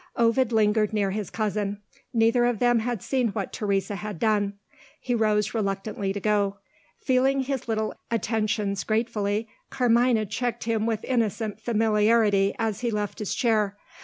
Ovid lingered near his cousin: neither of them had seen what Teresa had done. He rose reluctantly to go. Feeling his little attentions gratefully, Carmina checked him with innocent familiarity as he left his chair.